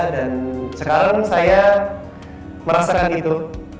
dan sekarang saya merasakan itu